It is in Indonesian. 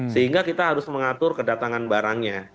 sehingga kita harus mengatur kedatangan barangnya